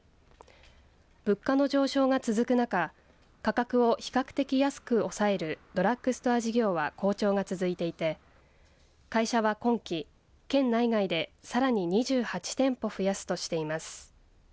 物価の上昇が続く中価格を比較的安く抑えるドラッグストア事業は好調が続いていて会社は今期県内外でさらに２８店舗増やすとしています。